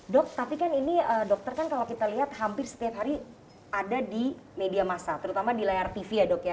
dok tapi kan ini dokter kan kalau kita lihat hampir setiap hari ada di media masa terutama di layar tv ya dok ya